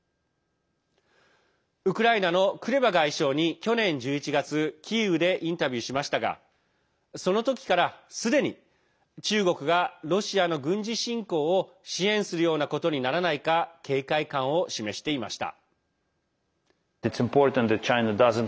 ウクライナのクレバ外相に去年１１月キーウでインタビューしましたがその時から、すでに中国がロシアの軍事侵攻を支援するようなことにならないか警戒感を示していました。